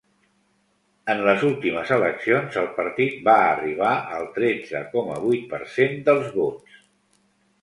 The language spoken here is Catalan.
En les últimes eleccions, el partit va arribar al tretze coma vuit per cent dels vots.